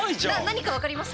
何か分かります？